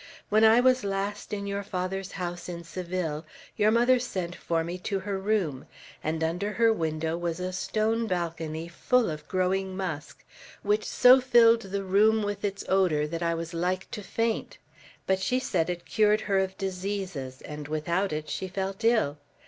"When I was last in your father's house in Seville, your mother sent for me to her room, and under her window was a stone balcony full of growing musk, which so filled the room with its odor that I was like to faint. But she said it cured her of diseases, and without it she fell ill.